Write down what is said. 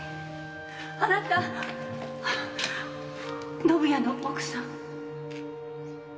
あなた！宣也の奥さん？